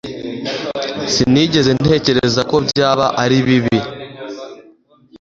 Sinigeze ntekereza ko byaba ari bibi